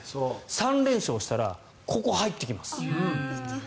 ３連勝したらここ入ってきます。